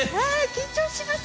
緊張します。